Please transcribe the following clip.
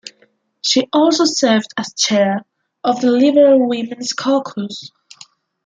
She also served as chair of the Liberal Women's Caucus.